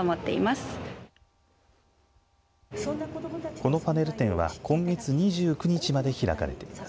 このパネル展は今月２９日まで開かれています。